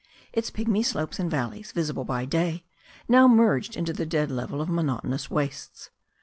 Its pigmy slopes and valleys, visible by day, now merged into the dead level of monotonous wastes.